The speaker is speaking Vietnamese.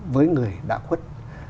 với người đã khuất